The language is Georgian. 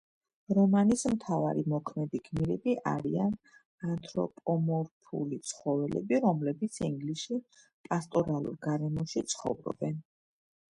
რომანის მთავარი მოქმედი გმირები არიან ანთროპომორფული ცხოველები, რომლებიც ინგლისში, პასტორალურ გარემოში ცხოვრობენ.